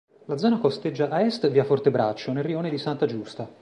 La zona costeggia a est via Fortebraccio, nel rione di Santa Giusta.